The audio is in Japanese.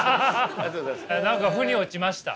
何かふに落ちました？